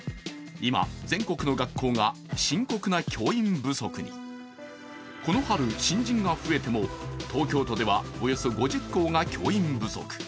今、全国の学校が深刻な教員不足にこの春、新人が増えても東京都ではおよそ５０校が教員不足。